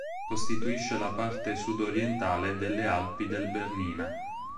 Costituisce la parte sud-orientale delle Alpi del Bernina.